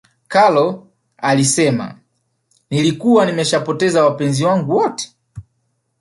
karol alisema nilikuwa nimeshapoteza wapenzi wangu wote